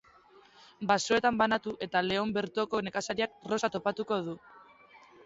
Basoetan banatu eta Leon bertoko nekazariak Rosa topatuko du.